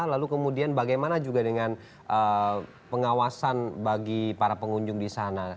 lalu kemudian bagaimana juga dengan pengawasan bagi para pengunjung di sana